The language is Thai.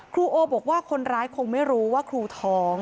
ครูโอบอกว่าคนร้ายคงไม่รู้ว่าครูท้อง